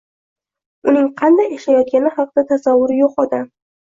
uning qanday ishlayotgani haqida tasavvuri yo‘q odam